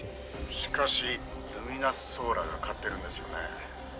「しかしルミナスソーラーが買ってるんですよね」